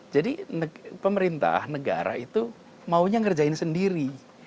jadi pemerintah negara itu maunya ngerjain sendiri